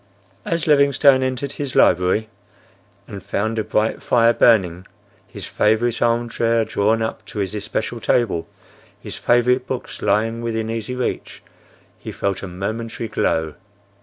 As Livingstone entered his library and found a bright fire burning; his favorite arm chair drawn up to his especial table; his favorite books lying within easy reach, he felt a momentary glow.